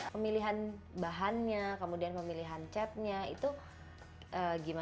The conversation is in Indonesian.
pemilihan bahannya kemudian pemilihan catnya itu gimana